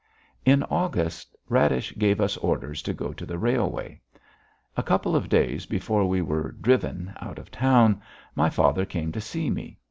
In August Radish gave us orders to go to the railway. A couple of days before we were "driven" out of town, my father came to see me.